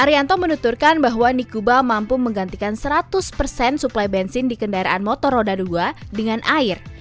arianto menuturkan bahwa nicuba mampu menggantikan seratus persen suplai bensin di kendaraan motor roda dua dengan air